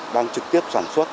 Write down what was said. đang trực tiếp sản xuất